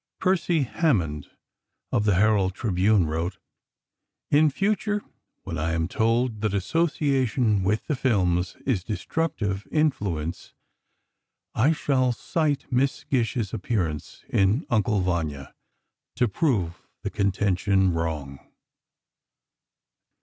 Percy Hammond, of the Herald Tribune, wrote: "In future when I am told that association with the films is a destructive influence, I shall cite Miss Gish's appearance in 'Uncle Vanya' to prove the contention wrong."